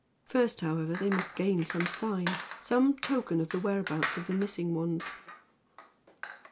First, however, they must gain some sign some token of the whereabouts of the missing ones.